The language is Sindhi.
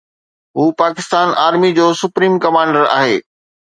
هو پاڪستان آرمي جو سپريم ڪمانڊر آهي.